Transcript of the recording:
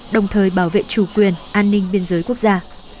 đồng thời bảo vệ chủ quyền an ninh biên giới quốc gia